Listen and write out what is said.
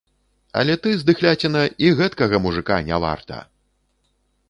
Але ты, здыхляціна, і гэткага мужыка не варта!